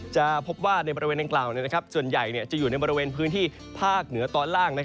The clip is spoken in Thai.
จะพบว่าในบริเวณดังกล่าวส่วนใหญ่จะอยู่ในบริเวณพื้นที่ภาคเหนือตอนล่าง